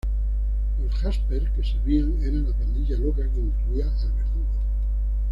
Los Jaspers que servían eran la pandilla loca que incluía al Verdugo.